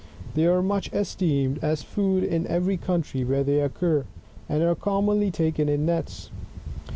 They are much esteemed as food in every country where they occur, and are commonly taken in nets.